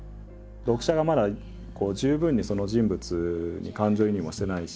読者がまだ十分にその人物に感情移入もしてないし。